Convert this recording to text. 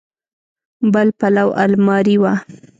بل پلو المارۍ وه.